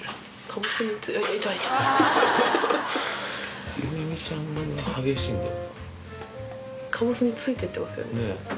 かぼすについてってますよね